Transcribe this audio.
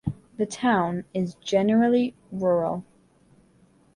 The town is generally rural.